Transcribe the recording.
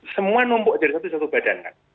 semua numpuk dari satu badan kan